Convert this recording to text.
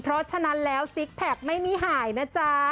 เพราะฉะนั้นซิซแผกไม่มีหายนะจ๊ะ